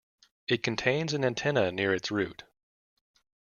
It contains an antenna near its root.